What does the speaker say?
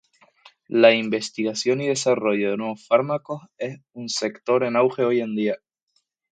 La investigación y desarrollo de nuevos fármacos es un sector en auge hoy día.